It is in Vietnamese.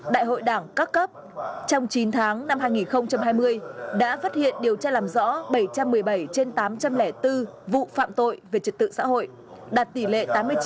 đại hội đảng các cấp trong chín tháng năm hai nghìn hai mươi đã phát hiện điều tra làm rõ bảy trăm một mươi bảy trên tám trăm linh bốn vụ phạm tội về trật tự xã hội đạt tỷ lệ tám mươi chín chín